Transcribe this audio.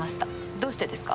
どうしてですか？